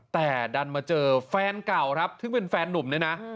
แต่ดันมาเจอแฟนเก่าครับซึ่งเป็นแฟนนุ่มเนี่ยนะ